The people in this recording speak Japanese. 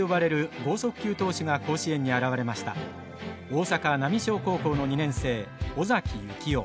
大阪浪商高校の２年生尾崎行雄。